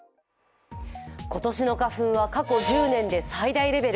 今年の花粉は過去１０年で最大レベル。